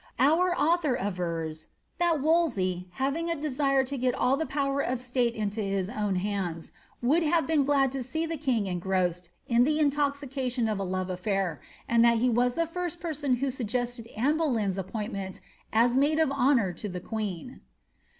Our author avers ^ that Wolsey, having a desire to get ail the power of state into his own hands, would have been glad to see the king engrossed in the intoxication of a love af&ir, and that he was the first penon who suggested Anne Boleyn's appointment as maid of honour to the queen.'"